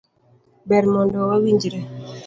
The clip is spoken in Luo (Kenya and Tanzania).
Ber mondo wa winjre.